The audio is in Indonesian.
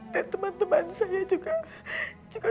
dan teman teman saya juga